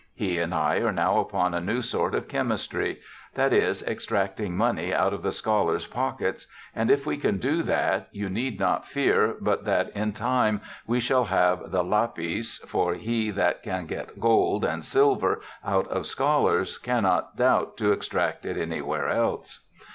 He and I are now upon a new sort of chemistry ; that is, extracting money out of the scholars' pockets, and if we can do that, you need not fear but that in time we shall have the lapis, for he that can get gold and silver out of scholars cannot doubt to extract it any where else.'